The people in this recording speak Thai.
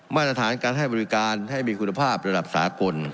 มาตรฐานการให้บริการให้มีคุณภาพระดับสากล